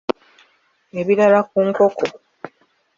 Ebirala ku nkoko.